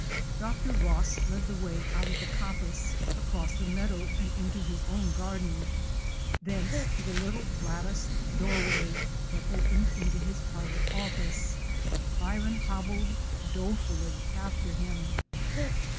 Dr. Ross led the way out of the coppice, across the meadow, and into his own garden; thence to the little latticed doorway that opened into his private office. Byron hobbled dolefully after him.